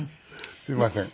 すいません。